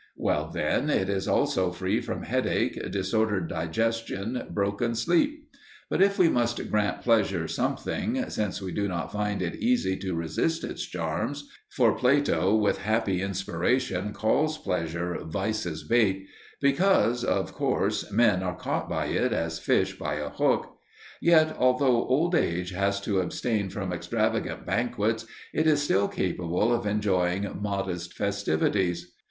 Well, then, it is also free from headache, disordered digestion, broken sleep. But if we must grant pleasure something, since we do not find it easy to resist its charms, for Plato, with happy inspiration, calls pleasure "vice's bait," because of course men are caught by it as fish by a hook, yet, although old age has to abstain from extravagant banquets, it is still capable of enjoying modest festivities.